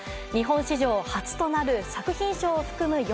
日本史上初となる作品賞を含む